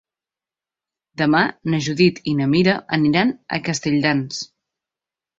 Demà na Judit i na Mira aniran a Castelldans.